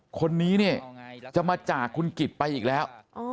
คนนี้เนี่ยจะมาจากคุณกิจไปอีกแล้ว